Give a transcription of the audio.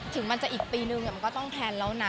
ถึงมันจะอีกปีนึงมันก็ต้องแพลนแล้วนะ